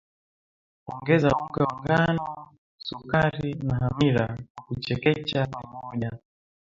Ongeza unga wa ngano sukari na hamira kwa kuchekecha pamoja